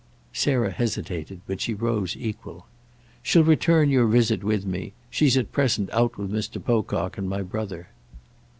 Sarah hesitated, but she rose equal. "She'll return your visit with me. She's at present out with Mr. Pocock and my brother."